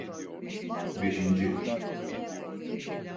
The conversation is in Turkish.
Beşinci.